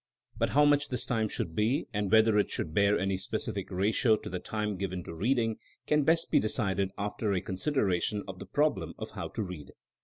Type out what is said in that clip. But how much this time should be and whether it should bear any spe cific ratio to the time given to reading can best be decided iEif ter a consideration of the problem of how to read.